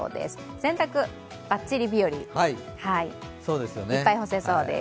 洗濯はバッチリ日和、いっぱい干せそうです。